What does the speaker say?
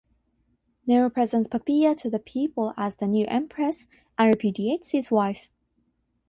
Nero presents Poppea to the people as the new empress and repudiates his wife.